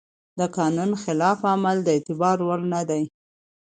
د قانون خلاف عمل د اعتبار وړ نه دی.